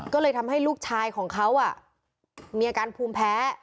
ก็เลยทำให้ลูกชายของเขามีอาการภูมิแพ้